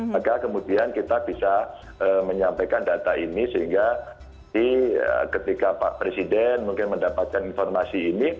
maka kemudian kita bisa menyampaikan data ini sehingga ketika pak presiden mungkin mendapatkan informasi ini